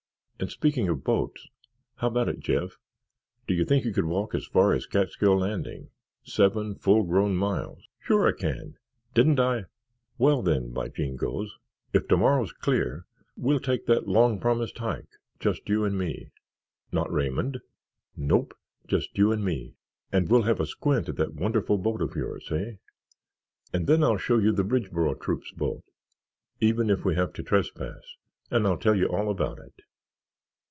"And speaking of boats, how about it, Jeff, do you think you could walk as far as Catskill Landing—seven full grown miles?" "Sure I can! Didn't I——" "Well, then, by jingoes, if tomorrow's clear, we'll take that long promised hike—just you and me——" "Not Raymond?" "Nope—just you and me; and we'll have a squint at that wonderful boat of yours, hey? And then I'll show you the Bridgeboro Troop's boat, even if we have to trespass, and I'll tell you all about it."